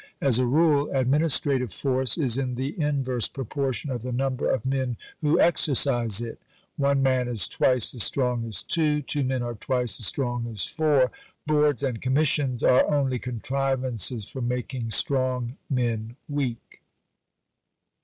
As a rule, administrative force is in the inverse proportion of the number of men who exercise it. One man is twice as strong as two; two men are twice as strong as four. Boards and Commissions are only contrivances for making strong men weak."